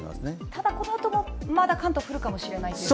ただ、このあともまだ関東は降るかもしれないと？